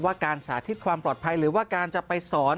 การสาธิตความปลอดภัยหรือว่าการจะไปสอน